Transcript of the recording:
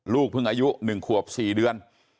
ลูกเพิ่งอายุ๑ขวบ๔เดือน